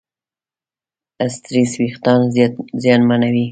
سټرېس وېښتيان زیانمنوي.